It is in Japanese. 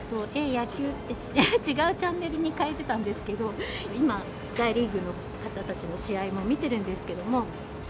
野球？って、違うチャンネルに変えてたんですけど、今は大リーグの方たちの試合も見てるんですけれども。